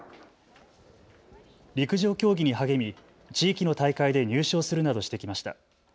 陸上競技に励み地域の大会で入賞するなどしてきました。